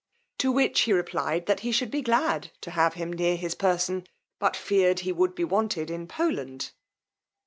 To which he replied, that he should be glad to have him near his person, but feared he would be wanted in Poland.